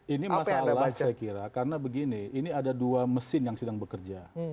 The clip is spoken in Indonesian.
ini masalah saya kira karena begini ini ada dua mesin yang sedang bekerja